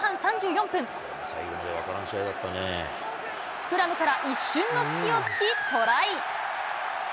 スクラムから一瞬の隙をつき、トライ。